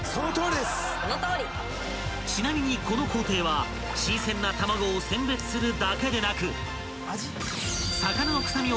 ［ちなみにこの工程は新鮮な卵を選別するだけでなく］